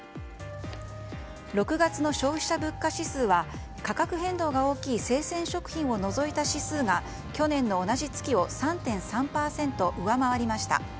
６月の消費者物価指数は価格変動が大きい生鮮食品を除いた指数が去年の同じ月を３．３％上回りました。